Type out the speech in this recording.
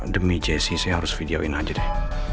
demi jessi saya harus videoin aja deh